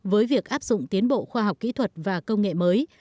với việc áp dụng tiến bộ khoa học kỹ thuật và công nghệ mới